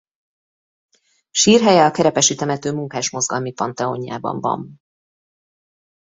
Sírhelye a Kerepesi temető Munkásmozgalmi Panteonjában van.